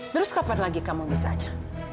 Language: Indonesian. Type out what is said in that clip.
terus kapan lagi kamu bisa aja